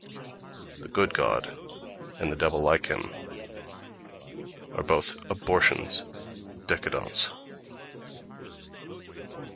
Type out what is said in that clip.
—The good god, and the devil like him—both are abortions of décadence.